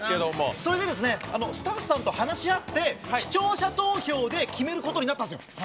それでスタッフさんと話し合って視聴者投票で決めることになったんですよ。